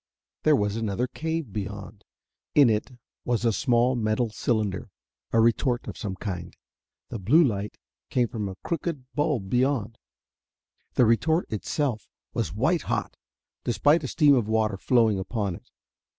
There was another cave beyond. In it was a small metal cylinder, a retort of some kind. The blue light came from a crooked bulb beyond. The retort itself was white hot, despite a stream of water flowing upon it.